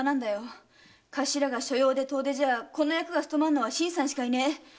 頭が所用で遠出じゃこの役がつとまるのは新さんしかいない。